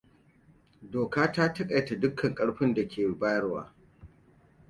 Doka ta taƙaita dukkan ƙarfin da take bayarwa.